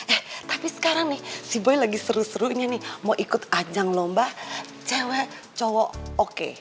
eh tapi sekarang nih si boy lagi seru serunya nih mau ikut ajang lomba cewek cowok oke